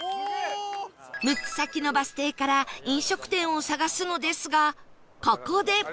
６つ先のバス停から飲食店を探すのですがここで